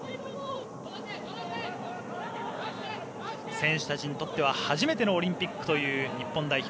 選手たちにとっては初めてのオリンピックという日本代表。